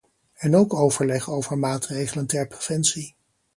En ook overleg over maatregelen ter preventie.